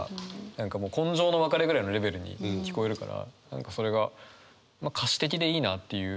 何かもう今生の別れぐらいのレベルに聞こえるから何かそれが歌詞的でいいなっていう。